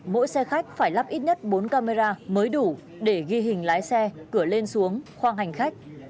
mỗi xe khách phải lắp ít nhất bốn camera mới đủ để ghi hình lái xe cửa lên xuống khoang hành khách